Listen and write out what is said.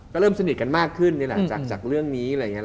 ก็เริ่มสนิทกันมากขึ้นนี่แหละจากเรื่องนี้อะไรอย่างนี้